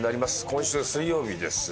今週水曜日です。